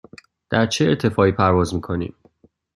در چه ارتفاعی پرواز می کنیم؟